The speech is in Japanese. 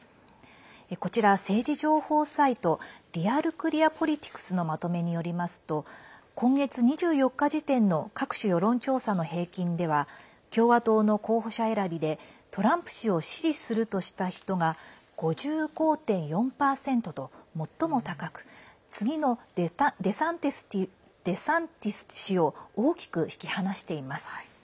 こちら、政治情報サイトリアル・クリア・ポリティクスのまとめによりますと今月２４日時点の各種世論調査の平均では共和党の候補者選びでトランプ氏を支持するとした人が５５．４％と最も高く次のデサンティス氏を大きく引き離しています。